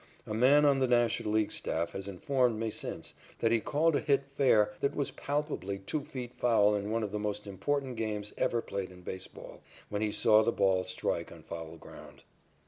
A man on the National League staff has informed me since, that he called a hit fair that was palpably two feet foul in one of the most important games ever played in baseball, when he saw the ball strike on foul ground.